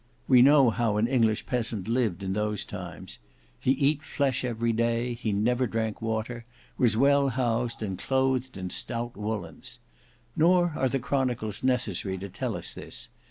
We know how an English peasant lived in those times: he eat flesh every day, he never drank water, was well housed, and clothed in stout woollens. Nor are the Chronicles necessary to tell us this.